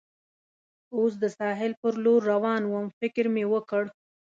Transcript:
اوس د ساحل پر لور روان ووم، فکر مې وکړ.